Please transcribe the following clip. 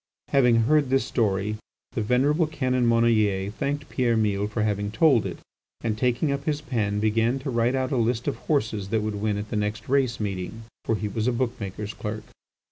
Having heard this story the venerable Canon Monnoyer thanked Pierre Mille for having told it, and, taking up his pen, began to write out a list of horses that would win at the next race meeting. For he was a book maker's clerk.